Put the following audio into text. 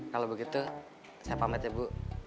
kalau begitu saya pamit ya bu